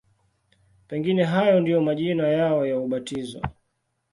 Pengine hayo ndiyo majina yao ya ubatizo.